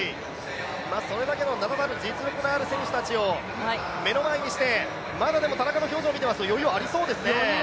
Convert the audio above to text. それだけの名だたる実力のある選手たちを目の前にして、まだ田中の表情を見ていますと、余裕がありそうですね。